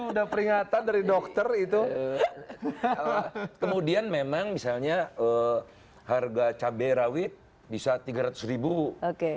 sudah peringatan dari dokter itu kemudian memang misalnya harga cabai rawit bisa tiga ratus ribu oke